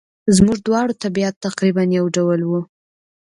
زموږ دواړو طبیعت تقریباً یو ډول وو.